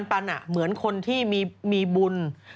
ปันเหมือนคนที่มีบุญ